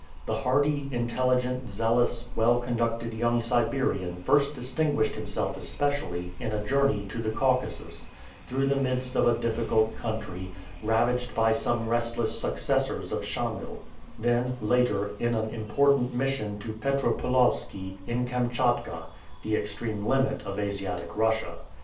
The hardy, intelligent, zealous, well conducted young Siberian first distinguished himself especially, in a journey to the Caucasus, through the midst of a difficult country, ravaged by some restless successors of Schamyl; then later, in an important mission to Petropolowski, in Kamtschatka, the extreme limit of Asiatic Russia.